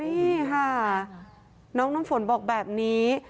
นี่ค่ะน้องน้ำฝนบอกแบบนี้